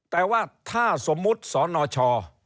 แต่ว่าถ้าสมมุติสนช